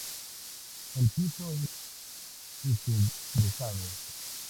El piso es ajedrezado.